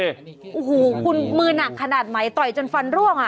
โอ้โหคุณมือหนักขนาดไหนต่อยจนฟันร่วงอ่ะ